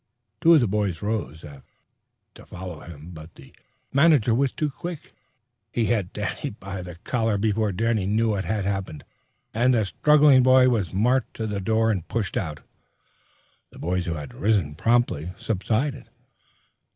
Two of the boys rose as if to follow him, but the manager was too quick. He had Danny by the collar before Danny knew what had happened, and the struggling boy was marched to the door and pushed out. The boys who had risen promptly subsided.